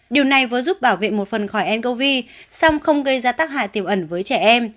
điều này vừa giúp bảo vệ một phần khỏi ncov song không gây ra tác hại tiềm ẩn với trẻ em